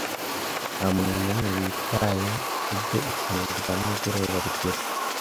Ntamuntu numwe witaye kubyo ifunguro rya nimugoroba rigura.